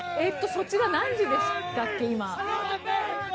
そちら何時でしたっけ、今。